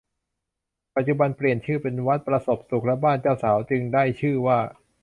ปัจจุบันเปลี่ยนชื่อเป็นวัดประสบสุขและบ้านเจ้าสาวจึงได้ชื่อว่า